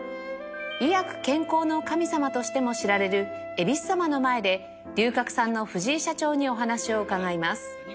医薬健康の神様としても知られるえびす様の前で龍角散の藤井社長にお話を伺います